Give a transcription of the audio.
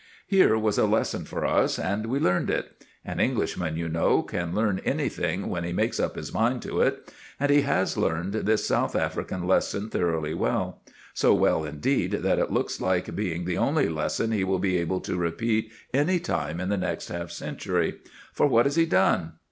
Here was a lesson for us, and we learned it. An Englishman, you know, can learn anything when he makes up his mind to it. And he has learned this South African lesson thoroughly well; so well, indeed, that it looks like being the only lesson he will be able to repeat any time in the next half century. For what has he done?